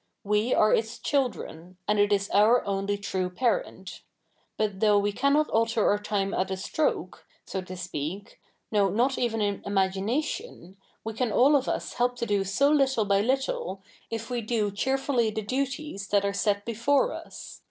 We a7 e its children, a7id it is our only true parent. But though 2ve ca7i7iot alter our ti77ie at a stroke, so to speak, no, not even in i7?iagi nation, we ca7i all of 7is help to do so little by little, if we do cheerfully the duties that are set before us.